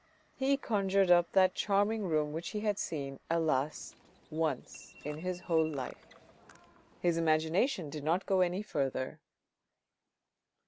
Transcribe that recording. He conjured up that charming room which he had seen, alas ! once in his whole life. His imagination did not go any further.